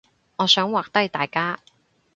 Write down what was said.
我想畫低大家